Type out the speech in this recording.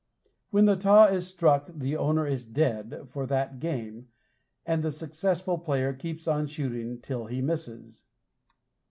When a taw is struck the owner is "dead" for that game, and the successful player keeps on shooting till he misses.